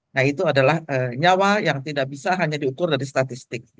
nah itu adalah nyawa yang tidak bisa hanya diukur dari statistik